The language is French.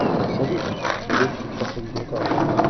—Sans doute ! mais d'autres y croient sans doute encore.